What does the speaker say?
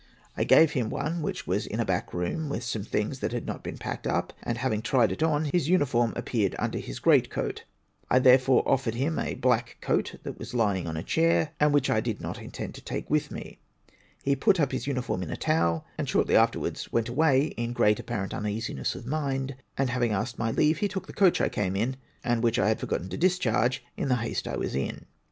I gave him one which was in a back room with some things that had not been packed up, and having tried it on, his uniform appeared under his great coat, I therefore offered him a Ijlack coat that was lying on a chair, and which I did not in tend to take with me ; he put up his uniform in a towel, and shortly afterwards went away, in great apparent uneasiness of mind, and having asked my leave he took the coach I came in, and which I had forgotten to discharge, in the haste I was in.